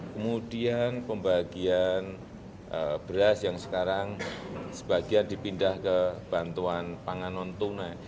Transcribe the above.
kemudian pembagian beras yang sekarang sebagian dipindah ke bantuan pangan non tunai